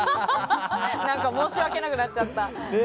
何か申し訳なくなっちゃった。